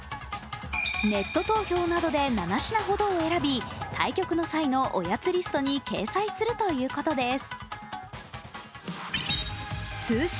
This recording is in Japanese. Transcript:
ネット投票などで７品ほどを選び、対局の際のおやつリストに掲載するということです。